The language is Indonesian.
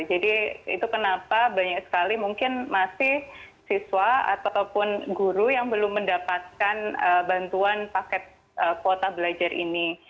jadi itu kenapa banyak sekali mungkin masih siswa ataupun guru yang belum mendapatkan bantuan paket kuota belajar ini